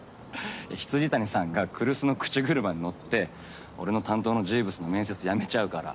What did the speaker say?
いや未谷さんが来栖の口車に乗って俺の担当のジーヴズの面接やめちゃうから。